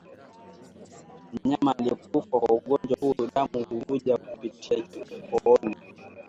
Mnyama aliyekufa kwa ugonjwa huu damu huvuja kupitia kooni